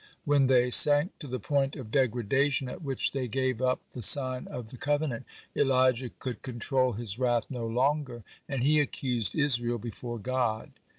(24) When they sank to the point of degradation at which they gave up the sign of the covenant, Elijah could control his wrath no longer, and he accused Israel before God.